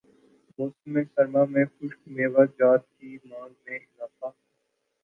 موسم سرما میں خشک میوہ جات کی مانگ میں اضافہ